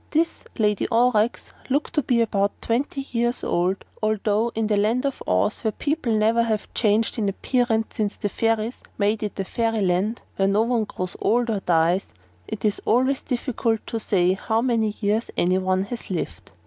This Lady Aurex looked to be about twenty years old, although in the Land of Oz where people have never changed in appearance since the fairies made it a fairyland where no one grows old or dies it is always difficult to say how many years anyone has lived.